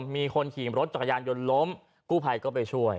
มีคนขี่รถจักรยานยนต์ล้มกู้ภัยก็ไปช่วย